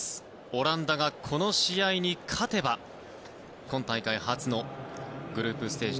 オランダが、この試合に勝てば今大会初のグループステージ